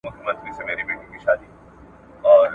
د خرڅ خوراک د برابرولو لپاره !.